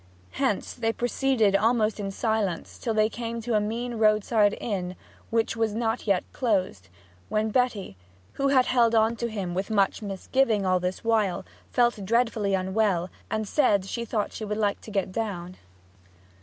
Hence they proceeded almost in silence till they came to a mean roadside inn which was not yet closed; when Betty, who had held on to him with much misgiving all this while, felt dreadfully unwell, and said she thought she would like to get down.